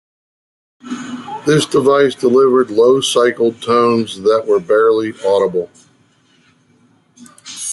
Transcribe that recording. This device delivered low-cycled tones that were barely audible.